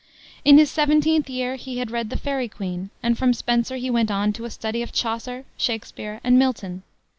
In his seventeenth year he had read the Faery Queene, and from Spenser he went on to a study of Chaucer, Shakspere, and Milton.